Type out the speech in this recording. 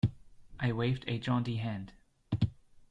I waved a jaunty hand.